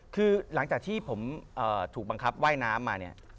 คือหลังจากที่ผมถูกบังคับว่ายน้ำมาเนี่ย